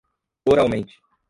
oralmente